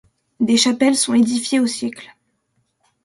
Des chapelles sont édifiées au siècle.